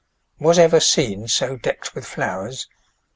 Was ever scene so deck'd with flowers?